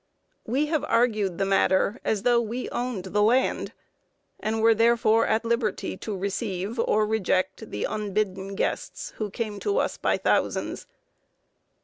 We have argued the matter as though we owned the land, and were, therefore, at liberty to receive or reject the unbidden guests who came to us by thousands.